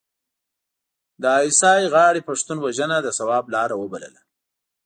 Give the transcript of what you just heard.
د ای اس ای غاړې پښتون وژنه د ثواب لاره وبلله.